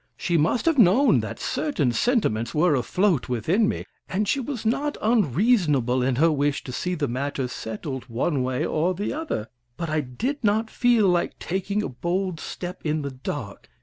She must have known that certain sentiments were afloat within me, and she was not unreasonable in her wish to see the matter settled one way or the other. But I did not feel like taking a bold step in the dark.